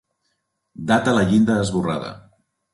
Data a la llinda esborrada.